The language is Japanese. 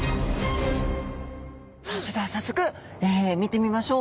さあそれでは早速見てみましょう。